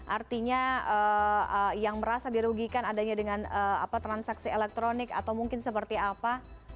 artinya yang merasa dirugikan adanya dengan transaksi elektronik atau mungkin seperti apa